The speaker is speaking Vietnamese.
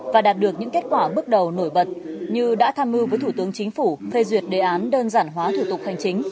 và đạt được những kết quả bước đầu nổi bật như đã tham mưu với thủ tướng chính phủ phê duyệt đề án đơn giản hóa thủ tục hành chính